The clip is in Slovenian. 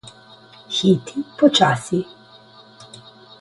Hiti počasi.